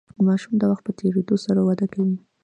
ماشوم د وخت په تیریدو سره وده کوي.